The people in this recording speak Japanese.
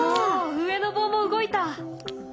上の棒も動いた。